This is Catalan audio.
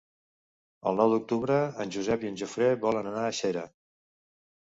El nou d'octubre en Josep i en Jofre volen anar a Xera.